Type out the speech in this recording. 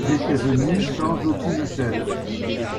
Ils étaient venus sans aucune chaise.